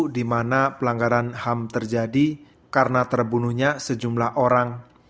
dimana pelanggaran ham terjadi karena terbunuhnya sejumlah orang